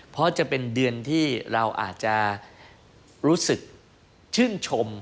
เพราะจะเป็นเดือนที่เราอาจจะรู้สึกชื่นชม